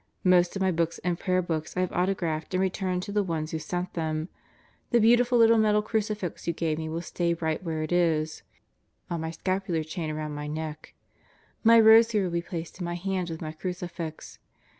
Most of my books and prayer books I have autographed and returned to the ones who sent them; Last Day on Earth 193 the beautiful little metal crucifix you gave me will stay right where it is: on my scapular chain around my neck; my rosary will be placed in my hand with my crucifix.